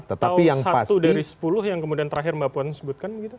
atau satu dari sepuluh yang kemudian terakhir mbak puan sebutkan